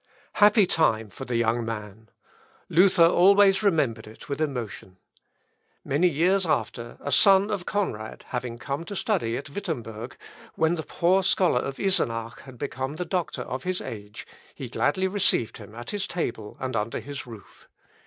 Happy time for the young man! Luther always remembered it with emotion. Many years after, a son of Conrad having come to study at Wittemberg, when the poor scholar of Isenach had become the doctor of his age, he gladly received him at his table and under his roof.